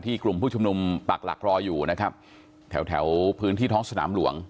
กลุ่มผู้ชุมนุมปักหลักรออยู่นะครับแถวแถวพื้นที่ท้องสนามหลวง